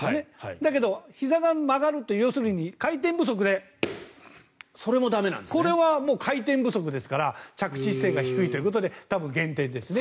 だけど、ひざが曲がると回転不足でこれは回転不足ですから着地姿勢が低いということで多分減点ですね。